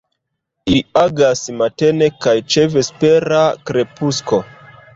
Ili agas matene kaj ĉe vespera krepusko.